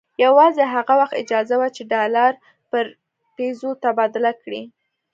یوازې هغه وخت اجازه وه چې ډالر پر پیزو تبادله کړي.